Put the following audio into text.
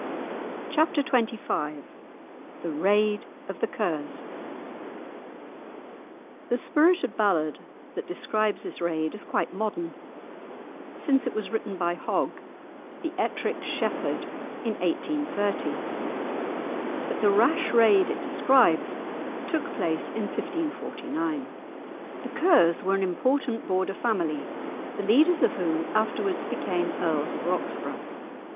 _"] *Chapter XXV* *The Raid of the Kers* The spirited ballad that describes this raid is quite modern, since it was written by Hogg, "the Ettrick Shepherd," in 1830. But the rash raid it describes took place in 1549. The Kers were an important Border family, the leaders of whom afterwards became Earls of Roxburgh.